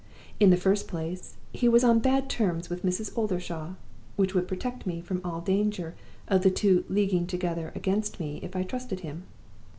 In the first place, he was on bad terms with Mrs. Oldershaw, which would protect me from all danger of the two leaguing together against me if I trusted him.